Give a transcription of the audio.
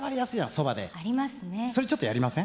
それちょっとやりません？